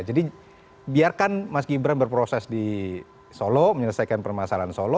jadi biarkan mas gibran berproses di solo menyelesaikan permasalahan solo